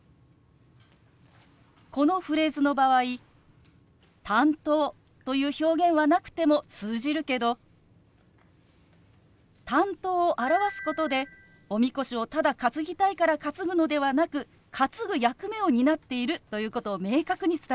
このフレーズの場合「担当」という表現はなくても通じるけど「担当」を表すことでおみこしをただ担ぎたいから担ぐのではなく担ぐ役目を担っているということを明確に伝えることができるの。